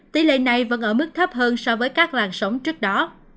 tỷ lệ này vẫn ở mức thấp hơn so với các làn sóng trước đó